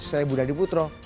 saya bu dady putro